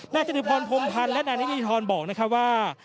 นาธิตธิพรพรมพันธ์และนานิจิทธรบอกนะคะว่า